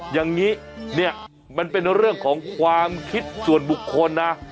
อย่างนี้เนี่ยมันเป็นเรื่องของความคิดส่วนบุคคลนะ